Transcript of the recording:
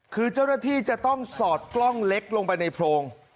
คือเจ้าหน้าที่จะต้องสอดกล้องเล็กลงไปในโพรง